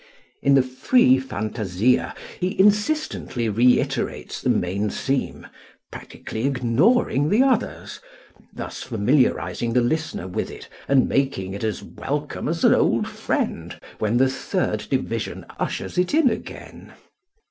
In the free fantasia he insistently reiterates the main theme, practically ignoring the others, thus familiarizing the listener with it and making it as welcome as an old friend when the third division ushers it in again.